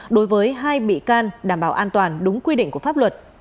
đối với hai bị can đảm bảo an toàn đúng quy định của pháp luật